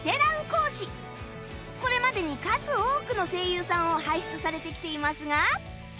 これまでに数多くの声優さんを輩出されてきていますが